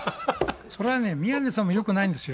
それはね、宮根さんもよくないんですよ。